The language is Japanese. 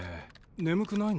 眠くないの？